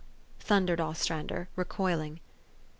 thundered Ostrander, recoil ing.